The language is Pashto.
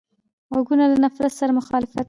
غوږونه له نفرت سره مخالفت کوي